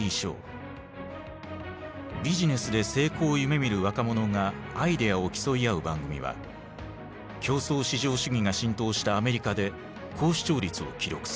ビジネスで成功を夢みる若者がアイデアを競い合う番組は競争至上主義が浸透したアメリカで高視聴率を記録する。